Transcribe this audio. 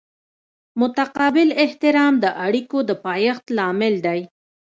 متقابل احترام د اړیکو د پایښت لامل دی.